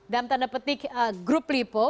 dalam tanda petik grup lipo